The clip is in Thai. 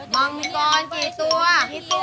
มังกรกี่ตัว